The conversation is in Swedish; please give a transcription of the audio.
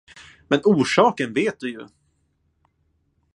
Men orsaken vet du ju.